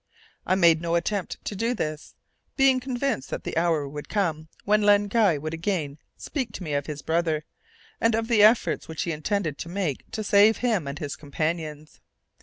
I made no attempt to do this, being convinced that the hour would come when Len Guy would again speak to me of his brother, and of the efforts which he intended to make to save him and his companions.